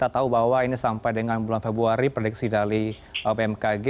kita tahu bahwa ini sampai dengan bulan februari prediksi dari bmkg